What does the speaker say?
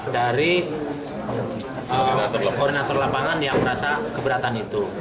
dari koordinator lapangan yang merasa keberatan itu